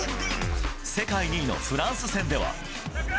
世界２位のフランス戦では。